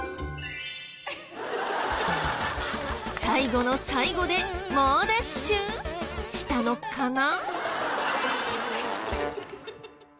最後の最後で猛ダッシュしたのかな？